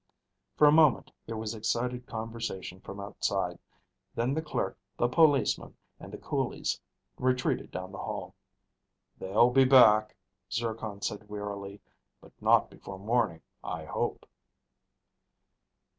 For a moment there was excited conversation from outside, then the clerk, the policemen, and the coolies retreated down the hall. "They'll be back," Zircon said wearily, "but not before morning, I hope."